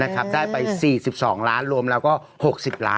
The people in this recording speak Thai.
ได้ไป๔๒ล้านรวมแล้วก็๖๐ล้าน